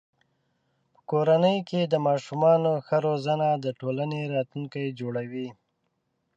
په کورنۍ کې د ماشومانو ښه روزنه د ټولنې راتلونکی جوړوي.